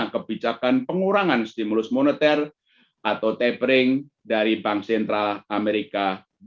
karena kebijakan pengurangan stimulus moneter atau tapering dari bank sentral amerika